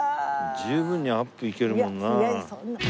十分にアップいけるもんな。